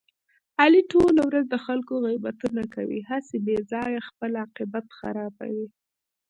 علي ټوله ورځ د خلکو غیبتونه کوي، هسې بې ځایه خپل عاقبت خرابوي.